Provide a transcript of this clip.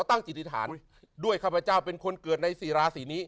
ตั้งจิตธิษฐานด้วยข้าพเจ้าเป็นคนเกิดในสี่ราศีนี้